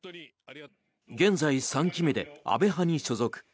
現在３期目で安倍派に所属。